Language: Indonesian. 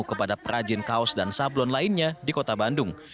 kepada perajin kaos dan sablon lainnya di kota bandung